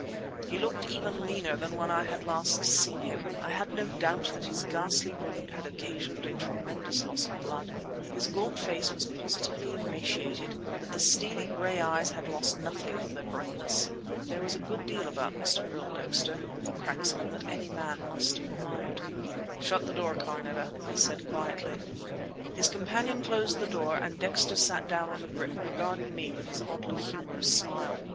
He looked even leaner than when I had last seen him. I had no doubt that his ghastly wound had occasioned a tremendous loss of blood. His gaunt face was positively emaciated, but the steely gray eyes had lost nothing of their brightness. There was a good deal about Mr. Earl Dexter, the cracksman, that any man must have admired. "Shut the door, Carneta," he said quietly. His companion closed the door and Dexter sat down on the grip, regarding me with his oddly humorous smile.